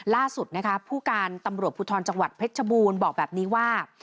ล่าสุดนะคะผู้การตำรวจภูทรจังหวัดเพชรชบูรณ์บอกแบบนี้ว่า